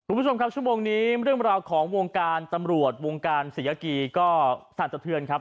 คุณผู้ชมครับชั่วโมงนี้เรื่องราวของวงการตำรวจวงการศรียากีก็สั่นสะเทือนครับ